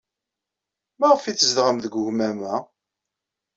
Maɣef ay tzedɣem deg ugmam-a?